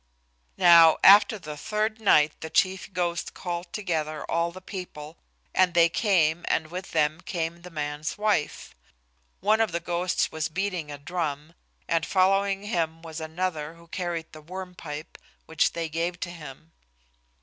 Now, after the third night the chief ghost called together all the people, and they came, and with them came the man's wife. One of the ghosts was beating a drum, and following him was another who carried the Worm Pipe, which they gave to him.